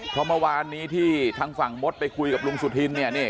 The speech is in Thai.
เพราะเมื่อวานนี้ที่ทางฝั่งมดไปคุยกับลุงสุธินเนี่ย